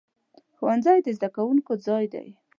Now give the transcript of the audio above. ښوونځی د زده کوونکو ځای دی.